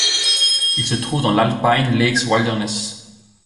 Il se trouve dans l'Alpine Lakes Wilderness.